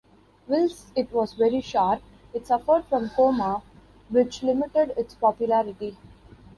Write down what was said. Whilst it was very sharp, it suffered from coma which limited its popularity.